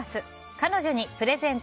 彼女にプレゼント